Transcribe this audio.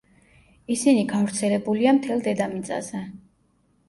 ისინი გავრცელებულია მთელ დედამიწაზე.